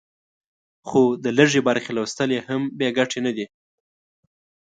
خو د لږې برخې لوستل یې هم بې ګټې نه دي.